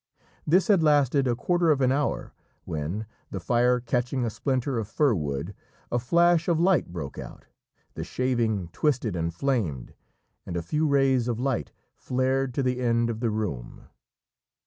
This had lasted a quarter of an hour when, the fire catching a splinter of fir wood, a flash of light broke out, the shaving twisted and flamed, and a few rays of light flared to the end of the room.